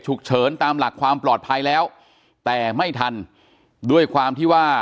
เฉินตามหลักความปลอดภัยแล้วแต่ไม่ทันด้วยความที่ว่า